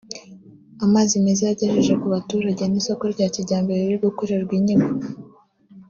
amazi meza yagejeje ku baturage n’isoko rya kijyambere riri gukorerwa inyigo